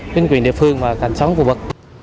chính quyền địa phương và thành xóm khu vực